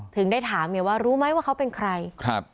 ถึงได้ถามว่ารู้ไหมว่าเขาเป็นใคร